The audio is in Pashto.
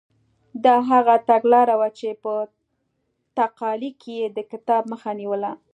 دا هغه تګلاره وه چې په تقالي کې یې د کتاب مخه نیوله.